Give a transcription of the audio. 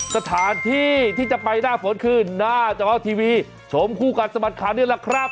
สถานที่ที่จะไปหน้าฝนคือหน้าจอทีวีชมคู่กัดสะบัดข่าวนี่แหละครับ